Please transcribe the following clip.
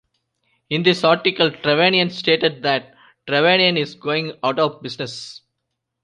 In this article Trevanian stated that Trevanian is going out of business.